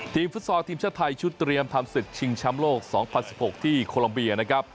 ฟุตซอลทีมชาติไทยชุดเตรียมทำศึกชิงแชมป์โลก๒๐๑๖ที่โคลัมเบียนะครับ